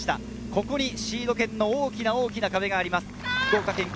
ここにシード権の大きな大きな壁があります。